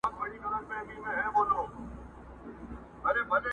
زندګي هم يو تجربه وه ښه دى تېره سوله.